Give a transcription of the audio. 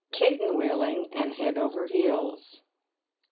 CATEN WHEELING AND HEAD OVER HEELS.